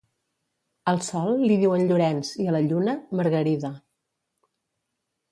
Al Sol li diuen Llorenç i a la Lluna..., Margarida.